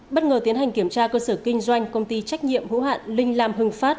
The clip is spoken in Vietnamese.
bất ngờ tiến hành kiểm tra cơ sở kinh doanh công ty trách nhiệm hữu hạn linh lam hưng phát